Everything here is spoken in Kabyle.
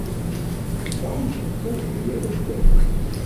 Yuba ur yettargu ara Kahina.